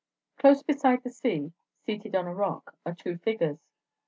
Close beside the sea, seated on a rock, are two figures.